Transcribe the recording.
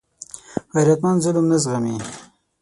غیرتمند ظلم نه زغمي